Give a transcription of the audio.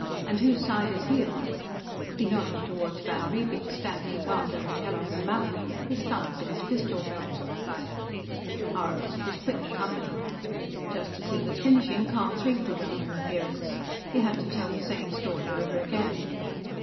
"And whose side is he on?" He nodded toward van Riebeek, standing guard over Kellogg and Mallin, his thumbs in his pistol belt. "Ours. He's quit the Company." Just as he was finishing, Car Three put in an appearance; he had to tell the same story over again.